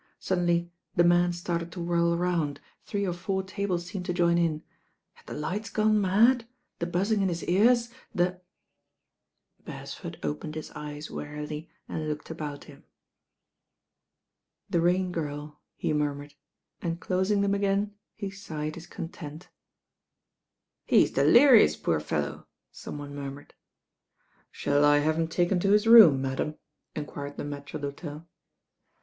Suddenly the man started to whirl round, three or four tables seemed to join in. Had the lights gone mad, the buzzing in his ears, the Beresford opened his eyes wearily and looked about him. "The Rain Girl," he murmured and» closing them again, he sighed his content. "He's delirious, poor fellow," some one mur mured. "Shall I have him taken to his room, madam?" enquired the maitre tFhotel.